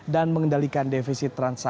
dan mengendalikan defisit transisional